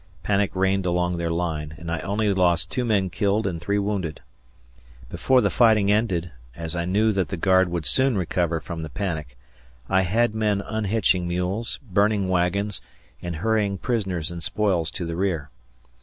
Panic reigned along their line, and I only lost two men killed and three wounded. Before the fighting ended, as I knew that the guard would soon recover from the panic, I had men unhitching mules, burning wagons, and hurrying prisoners and spoils to the rear.